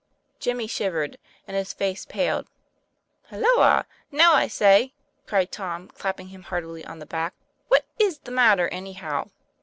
Jimmy shivered, and his face paled. "Halloa! now, I say," cried Tom, clapping him heartily on the back; "what is the matter, any how